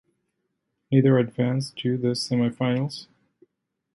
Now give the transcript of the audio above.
Neither advanced to the semi-finals.